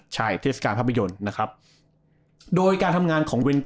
ใช่เทศกาลภาพยนตร์นะครับโดยการทำงานของเวร